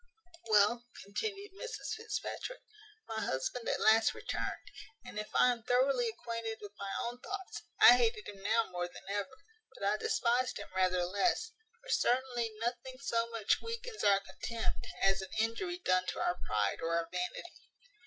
"Well," continued Mrs Fitzpatrick, "my husband at last returned; and, if I am thoroughly acquainted with my own thoughts, I hated him now more than ever; but I despised him rather less: for certainly nothing so much weakens our contempt, as an injury done to our pride or our vanity.